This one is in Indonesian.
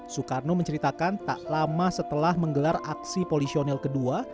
soekarno menceritakan tak lama setelah menggelar aksi polisionil kedua